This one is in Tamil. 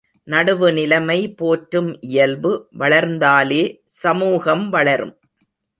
நடுவுநிலைமை போற்றும் இயல்பு வளர்ந்தாலே சமூகம் வளரும்!